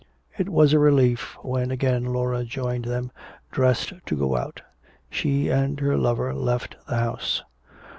It was a relief when again Laura joined them, dressed to go out. She and her lover left the house.